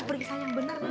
periksaan yang benar pak